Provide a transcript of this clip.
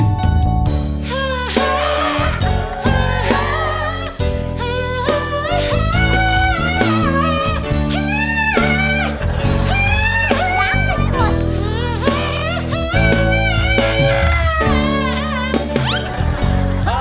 รักไม่ยอม